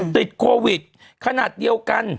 ติดโควิดขนาดเดียวกัน